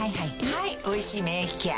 はい「おいしい免疫ケア」